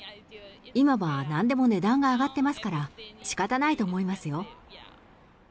今はなんでも値段が上がってますから、しかたないと思いますよ。